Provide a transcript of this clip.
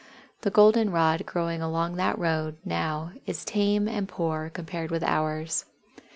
The Golden rod growing along that road, now, is tame and poor compared with ours."